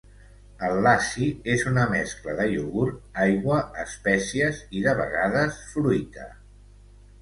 El lassi és una mescla de iogurt, aigua, espècies i, de vegades, fruita.